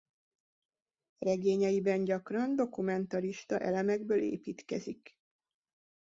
Regényeiben gyakran dokumentarista elemekből építkezik.